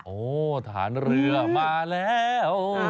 โอ้ทหารเรือมาแล้ว